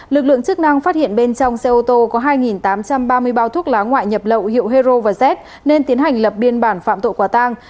lực lượng chức năng phát hiện bên trong xe ô tô có hai tám trăm ba mươi bao thuốc lá ngoại nhập lậu hiệu hero và z nên tiến hành lập biên bản phạm tội quả tang